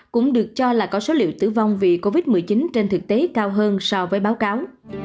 cũng được cho là có số liệu tử vong vì covid một mươi chín trên thực tế cao hơn so với báo cáo